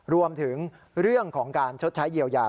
รวมถึงเรื่องของการชดใช้เยียวยา